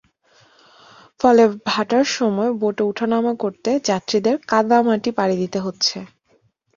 ফলে ভাটার সময় বোটে ওঠানামা করতে যাত্রীদের কাদা মাটি পাড়ি দিতে হচ্ছে।